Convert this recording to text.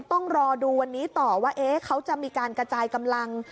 ต้องรอดูวันนี้ต่อว่าเขาจะมีการกระจายกำลัง